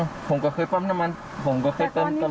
ผมก็เคยปั๊มน้ำมันผมก็เคยเติม